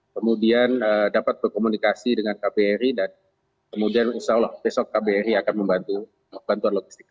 kemudian dapat berkomunikasi dengan kbri dan kemudian usahalah besok kbri akan membantu